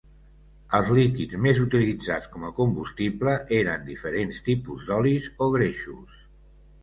Els líquids més utilitzats com a combustible eren diferents tipus d'olis o greixos.